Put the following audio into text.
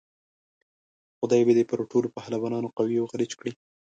خدای به دې پر ټولو پهلوانانو قوي او غلیچ کړي.